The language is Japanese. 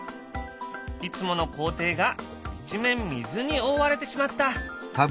いつもの校庭が一面水に覆われてしまった。